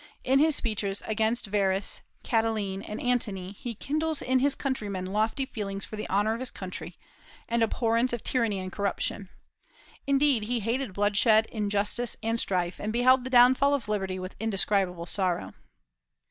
In his speeches against Verres, Catiline, and Antony he kindles in his countrymen lofty feelings for the honor of his country, and abhorrence of tyranny and corruption. Indeed, he hated bloodshed, injustice, and strife, and beheld the downfall of liberty with indescribable sorrow.